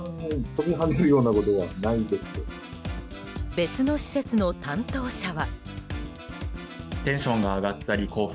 別の施設の担当者は。